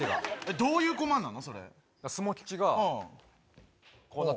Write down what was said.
どういうコマなの？